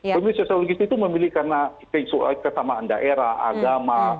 pemilih sosiologis itu memilih karena kesamaan daerah agama